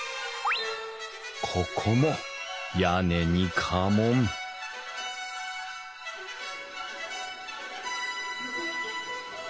ここも屋根に家紋うわ。